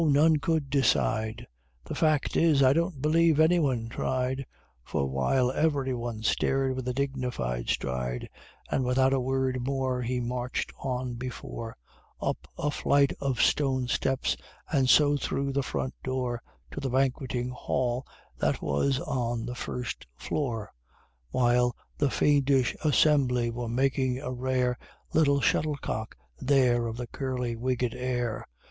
none could decide, The fact is, I don't believe any one tried; For while every one stared, with a dignified stride And without a word more, He marched on before, Up a flight of stone steps, and so through the front door, To the banqueting hall that was on the first floor, While the fiendish assembly were making a rare Little shuttlecock there of the curly wigged Heir.